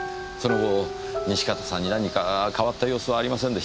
その後西片さんに何か変わった様子はありませんでしたか？